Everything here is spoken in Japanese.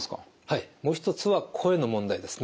はいもう一つは声の問題ですね。